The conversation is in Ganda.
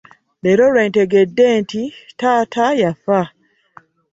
Leero lwe ntegede nti taata yafa.